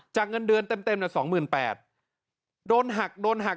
จากเงินเดือนเต็มแต่๒๘๐๐๐บาท